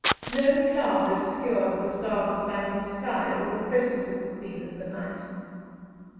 No cloud obscured the star bespangled sky or the crescent of the Queen of the Night.